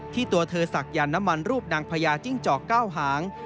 ที่ตัวเธอศักดิ์ยานน้ำมันรูปนางพญาจิ้งจอกเก้าหาง